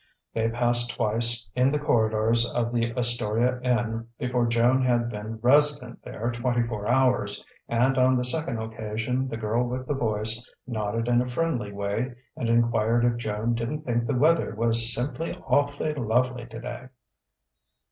They passed twice in the corridors of the Astoria Inn before Joan had been resident there twenty four hours, and on the second occasion the girl with the voice nodded in a friendly way and enquired if Joan didn't think the weather was simply awf'ly lovely today.